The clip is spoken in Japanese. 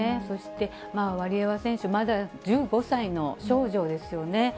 そして、ワリエワ選手、まだ１５歳の少女ですよね。